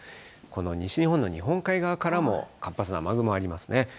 この西日本の日本海側からも活発な雨雲ありますね。